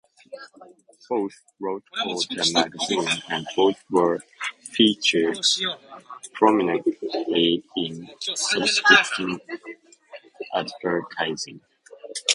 Both wrote for the magazine and both were featured prominently in subscription advertising.